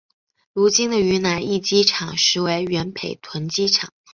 如今的云南驿机场实为原北屯机场。